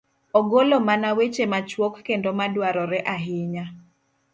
ogolo mana weche machuok kendo ma dwarore ahinya.